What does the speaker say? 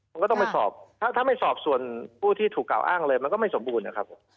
มันก็ต้องไปสอบถ้าไม่สอบส่วนผู้ที่ถูกกล่าวอ้างเลยมันก็ไม่สมบูรณนะครับผม